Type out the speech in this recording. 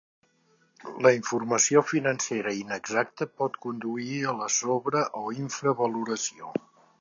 La informació financera inexacta pot conduir a la sobre o infravaloració.